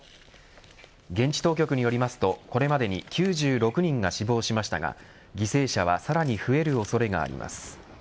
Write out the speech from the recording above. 現地当局によりますとこれまでに９６人が死亡しましたが、犠牲者はさらに増える恐れがあります。